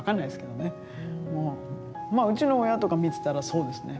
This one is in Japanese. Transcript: うちの親とか見てたらそうですね。